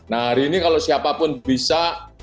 nah hari ini kalau siapapun bisa